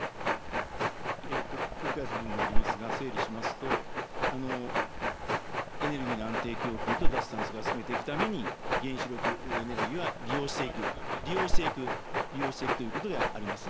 繰り返す部分もありますが、整理しますと、エネルギーの安定供給と脱炭素化を進めていくために、原子力エネルギーは利用していく、利用していく、利用していくということであります。